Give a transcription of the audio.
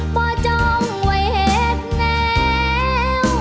บ่อจ้องไว้เห็นแล้ว